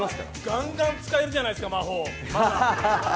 ガンガン使えるじゃないですか、魔法。